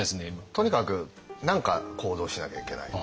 とにかく何か行動しなきゃいけない。